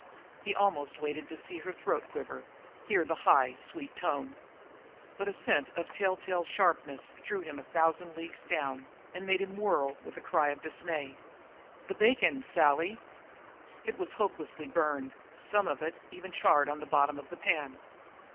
He almost waited to see her throat quiver hear the high, sweet tone. But a scent of telltale sharpness drew him a thousand leagues down and made him whirl with a cry of dismay: "The bacon, Sally!" It was hopelessly burned; some of it was even charred on the bottom of the pan.